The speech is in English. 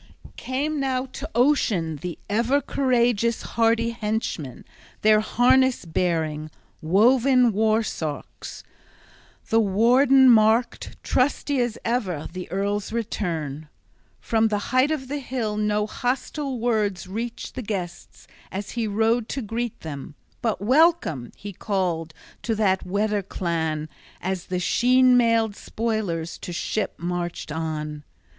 XXVII CAME now to ocean the ever courageous hardy henchmen, their harness bearing, woven war sarks. The warden marked, trusty as ever, the earl's return. From the height of the hill no hostile words reached the guests as he rode to greet them; but "Welcome!" he called to that Weder clan as the sheen mailed spoilers to ship marched on.